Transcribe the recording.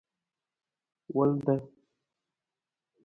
Wulda.